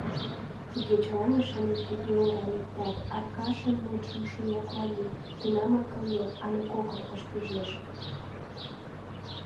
— Игечылан ӱшанен, тӱгӧ орай лектат, — Аркашын мутшым шуя Клави, — тунамак кылмет але кокыртыш пижеш.